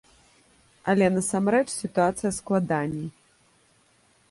Але насамрэч сітуацыя складаней.